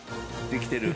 できてる？